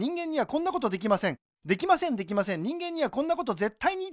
できませんできません人間にはこんなことぜったいにできません